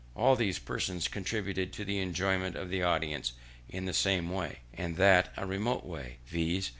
All these persons contributed to the enjoyment of the audience in the same way, and that a remote way, viz.